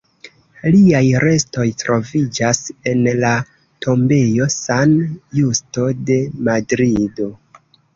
Liaj restoj troviĝas en la tombejo San Justo de Madrido.